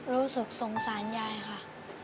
รู้สึกสงสารยายค่ะ